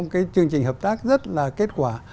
một cái chương trình hợp tác rất là kết quả